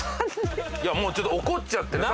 ちょっと怒っちゃってる。